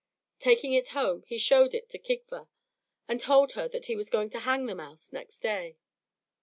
Taking it home, he showed it to Kigva, and told her that he was going to hang the mouse next day.